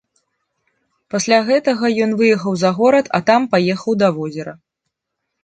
Пасля гэтага ён выехаў за горад, а там паехаў да возера.